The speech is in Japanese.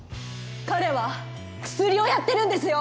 彼はクスリをやってるんですよ！